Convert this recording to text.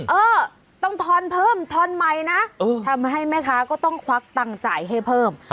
เออต้องทอนเพิ่มทอนใหม่นะทำให้แม่ค้าก็ต้องควักตังค์จ่ายให้เพิ่ม